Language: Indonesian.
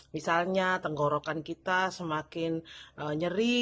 misalnya tenggorokan kita semakin nyeri